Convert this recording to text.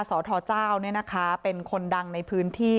สตเจ้าเนี่ยนะคะเป็นคนดังในพื้นที่